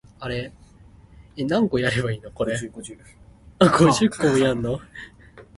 掠